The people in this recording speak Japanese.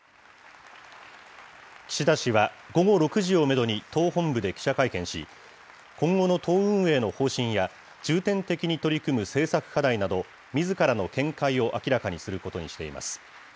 岸田氏は午後６時をメドに党本部で記者会見し、今後の党運営の方針や、重点的に取り組む政策課題など、みずからの見解を明らかにすることにしています。